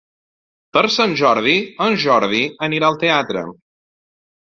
Per Sant Jordi en Jordi anirà al teatre.